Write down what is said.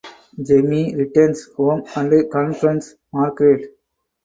Jamie returns home and confronts Margaret.